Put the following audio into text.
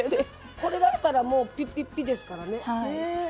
これだったらもうピッピッピッですからね。